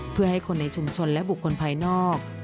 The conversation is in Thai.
เพื่อให้คนในชุมชนและบุคคลภายนอก